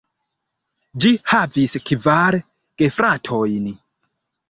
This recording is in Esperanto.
Ŝi havis kvar gefratojn.